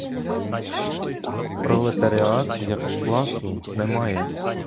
Пролетаріату як класу немає.